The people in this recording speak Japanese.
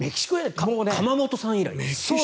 釜本さん以来。